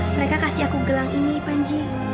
mereka kasih aku gelang ini panji